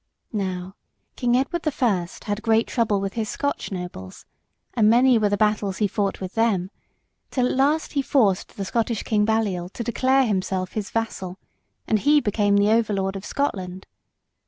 Now King Edward the First had great trouble with his Scotch nobles, and many were the battles he fought with them, until at last he forced the Scottish king Balliol to declare himself his vassal, and he became the over lord of Scotland.